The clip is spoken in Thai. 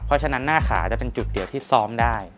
เพราะฉะนั้นหน้าขาจะเป็นจุดเดียวที่ซ้อมได้